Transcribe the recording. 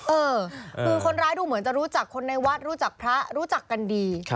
เออคือคนร้ายดูเหมือนจะรู้จักคนในวัดรู้จักพระรู้จักกันดี